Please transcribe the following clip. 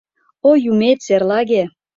Ой, юмет серлаге!